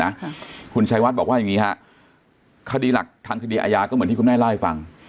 อเจมส์คุณชัยวาดบอกว่าอย่างนี้ฮะทางคดีอาญาก็เหมือนที่คุณแน่ล่าให้ฟัง